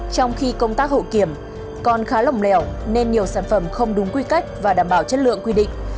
trong khi công tác hậu kiểm còn khá lỏng lẻo nên nhiều sản phẩm không đúng quy cách và đảm bảo chất lượng quy định